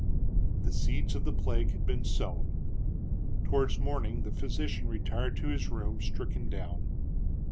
The seeds of the plague had been sown. Towards morning the physician retired to his room, stricken down.